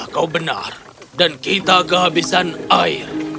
kau benar dan kita kehabisan air